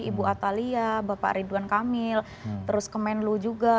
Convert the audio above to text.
ibu atalia bapak ridwan kamil terus ke menlu juga